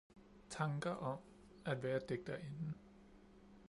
Tanker om - at være digterinde